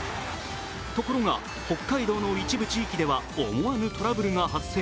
ところが北海道の一部地域では思わぬトラブルが発生。